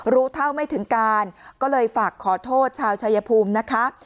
รู้เท่าไม่ถึงการก็เลยฝากขอโทษชาวชายภูมินะคะ